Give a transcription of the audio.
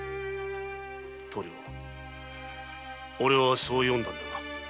棟梁おれはそう読んだんだが。